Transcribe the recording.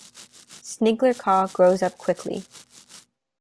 Snegurka grows up quickly.